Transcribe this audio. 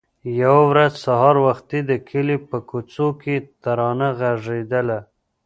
يوه ورځ سهار وختي د کلي په کوڅو کې ترانه غږېدله.